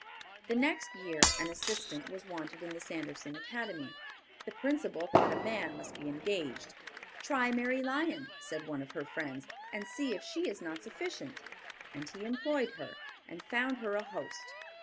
The next year, an assistant was wanted in the Sanderson Academy. The principal thought a man must be engaged. "Try Mary Lyon," said one of her friends, "and see if she is not sufficient," and he employed her, and found her a host.